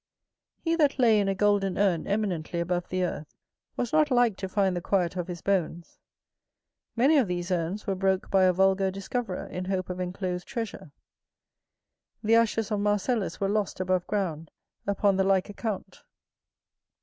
He that lay in a golden urn eminently above the earth, was not like to find the quiet of his bones. Many of these urns were broke by a vulgar discoverer in hope of enclosed treasure. The ashes of Marcellus were lost above ground, upon the like account.